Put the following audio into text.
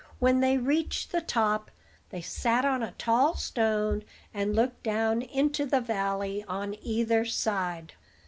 When they reached the top, they sat on a tall stone, and looked down into the valley on either side.